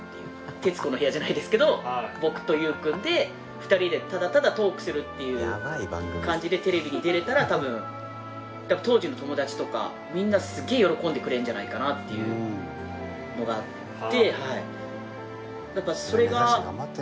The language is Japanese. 『徹子の部屋』じゃないですけど僕と祐くんで２人でただただトークするっていう感じでテレビに出れたら多分当時の友達とかみんなすげえ喜んでくれるんじゃないかなっていうのがあって。